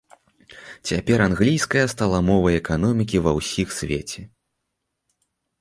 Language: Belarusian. Цяпер англійская стала мовай эканомікі ва ўсіх свеце.